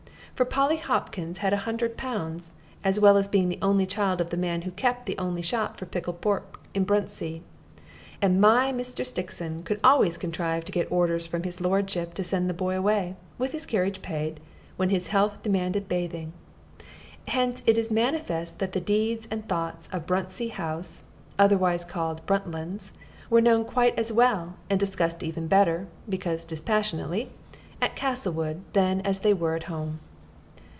For Polly Hopkins had a hundred pounds, as well as being the only child of the man who kept the only shop for pickled pork in Bruntsea. And my Mr. Stixon could always contrive to get orders from his lordship to send the boy away, with his carriage paid, when his health demanded bathing. Hence it is manifest that the deeds and thoughts of Bruntsea House, otherwise called "Bruntlands," were known quite as well, and discussed even better because dispassionately at Castlewood than and as they were at home.